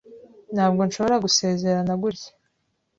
Ntabwo nshobora gusezerana gutya.